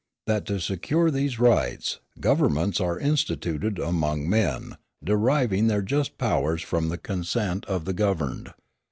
That, to secure these rights, governments are instituted among men, deriving their just powers from the consent of the governed."